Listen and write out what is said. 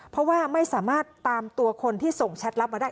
เพราะว่าไม่สามารถตามตัวคนที่ส่งแชทลับมาได้